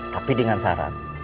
tapi dengan syarat